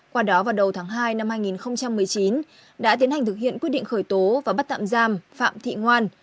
qua đó vào đầu tháng hai năm hai nghìn một mươi chín đã tiến hành thực hiện quyết định khởi tố và bắt tạm giam phạm thị ngoan